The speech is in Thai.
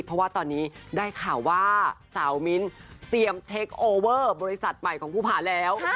เพราะว่าตอนนี้ได้ข่าวว่าสาวมิ้นเตรียมเทคโอเวอร์บริษัทใหม่ของภูผาแล้ว